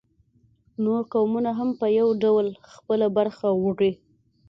نور قومونه هم په یو ډول خپله برخه وړي